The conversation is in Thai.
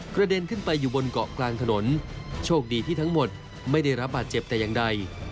เด็นขึ้นไปอยู่บนเกาะกลางถนนโชคดีที่ทั้งหมดไม่ได้รับบาดเจ็บแต่อย่างใด